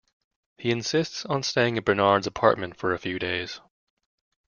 He insists on staying in Bernard's apartment for a few days.